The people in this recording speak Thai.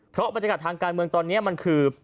เพราะบรรยากาศทางการเมืองตอนนี้มันคือ